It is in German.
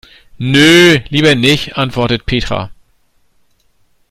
Nö, lieber nicht, antwortet Petra.